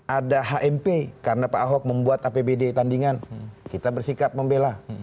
ada hmp karena pak ahok membuat apbd tandingan kita bersikap membela